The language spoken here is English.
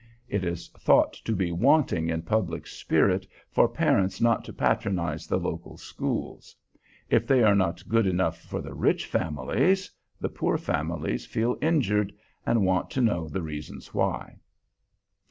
It is thought to be wanting in public spirit for parents not to patronize the local schools. If they are not good enough for the rich families, the poor families feel injured, and want to know the reason why.